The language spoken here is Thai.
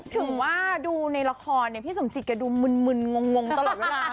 ถึงว่าดูในละครพี่สมจิตแกดูมึนงงตลอดเวลา